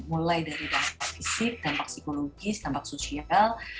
mulai dari dampak fisik dampak psikologis dampak sosial